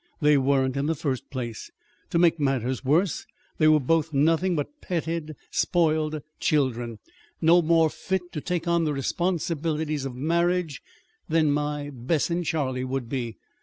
They weren't in the first place. To make matters worse, they were both nothing but petted, spoiled children, no more fit to take on the responsibilities of marriage than my Bess and Charlie would be.